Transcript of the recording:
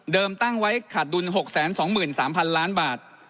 ตั้งไว้ขาดดุล๖๒๓๐๐๐ล้านบาท